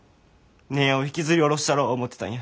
姉やんを引きずり下ろしたろ思てたんや。